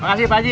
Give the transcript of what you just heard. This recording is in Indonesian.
makasih pak ji